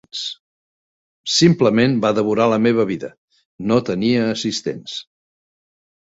Simplement va devorar la meva vida, no tenia assistents.